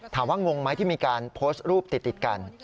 งงไหมที่มีการโพสต์รูปติดกัน